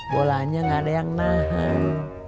bolanya gak ada yang nahan